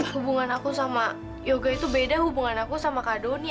hubungan aku sama yoga itu beda hubungan aku sama kadoni